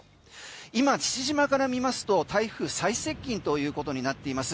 今、父島から見ますと台風最接近ということになっています。